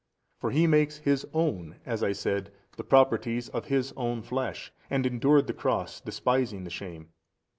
For He makes His own, as I said, the properties of His own flesh, and endured the cross, despising the shame.